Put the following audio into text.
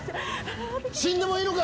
死んでもいいのか⁉